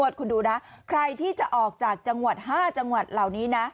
สุดและเข้มงวดคุณดูนะใครที่จะออกจากจังหวัด๕จังหวัดเหล่านี้นะ